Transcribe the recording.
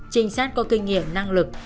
trinh sát có kinh nghiệm năng lực